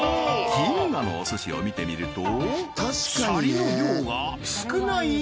謹賀のお寿司を見てみるとシャリの量が少ない？